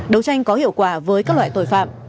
đấu tranh có hiệu quả với các loại tội phạm